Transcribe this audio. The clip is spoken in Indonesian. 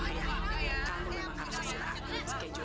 ini biasa aja